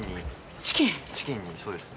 チキンにそうですね。